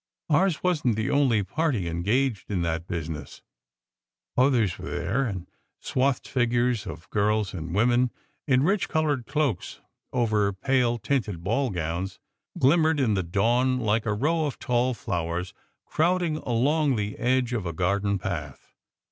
Ours wasn t the only party engaged in that business. Others were there; and swathed figures of girls and women, in rich coloured cloaks over pale tinted ball gowns, glimmered in the dawn like a row of tall flowers crowding along the edge of a garden path.